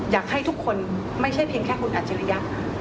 อยากให้ทุกคนไม่ใช่เพียงแค่คุณอัจฉริยะ